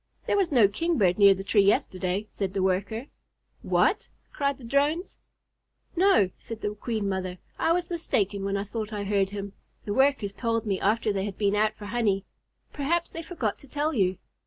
"There was no Kingbird near the tree yesterday," said the Worker. "What!" cried the Drones. "No," said the Queen Mother, "I was mistaken when I thought I heard him. The Workers told me after they had been out for honey. Perhaps they forgot to tell you."